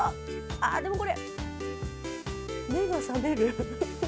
でも、これ、目が覚める。